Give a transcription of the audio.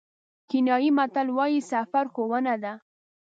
کینیايي متل وایي سفر ښوونه ده.